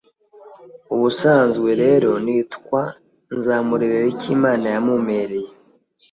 ubusanzwe rero nitwa nzamurerera icyimana yamumereye,